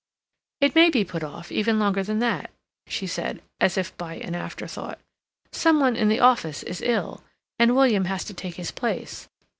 "It may be put off even longer than that," she said, as if by an afterthought. "Some one in the office is ill, and William has to take his place.